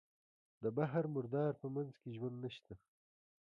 د بحر مردار په منځ کې ژوند نشته.